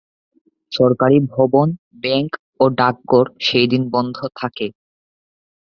সরকারী ভবন, ব্যাংক ও ডাকঘর সেই দিন বন্ধ থাকে।